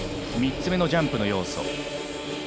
３つ目のジャンプの要素。